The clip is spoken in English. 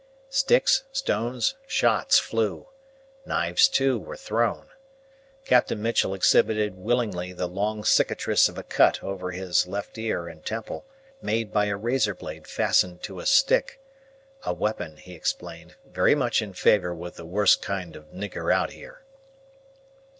Sticks, stones, shots flew; knives, too, were thrown. Captain Mitchell exhibited willingly the long cicatrice of a cut over his left ear and temple, made by a razor blade fastened to a stick a weapon, he explained, very much in favour with the "worst kind of nigger out here."